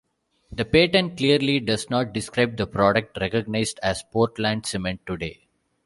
The patent clearly does not describe the product recognised as Portland cement today.